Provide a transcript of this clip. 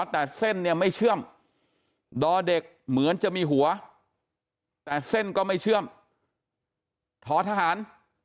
แต่เส้นเนี่ยไม่เชื่อมดอเด็กเหมือนจะมีหัวแต่เส้นก็ไม่เชื่อมท้อทหาร